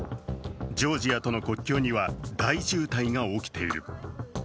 ジョージアとの国境には大渋滞が起きている。